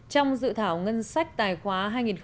trong dự thảo ngân sách tài khoá hai nghìn một mươi chín